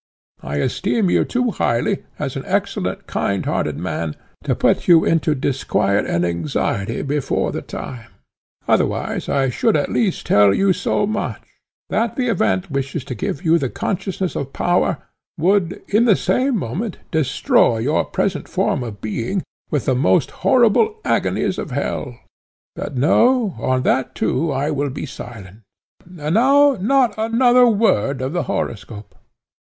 I esteem you too highly as an excellent kind hearted man to put you into disquiet and anxiety before the time; otherwise I should at least tell you so much, that the event which is to give you the consciousness of power, would in the same moment destroy your present form of being with the most horrible agonies of hell. But no! on that too I will be silent; and now not another word of the horoscope.